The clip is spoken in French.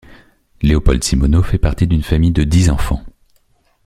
Léopold Simoneau fait partie d'une famille de dix enfants.